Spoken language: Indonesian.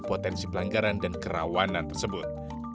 potensi pelanggaran dan kerawanan tersebut